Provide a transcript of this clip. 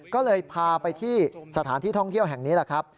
ก็เลยพาไปที่สถานที่ท่องเที่ยวแห่งนี้แหละครับ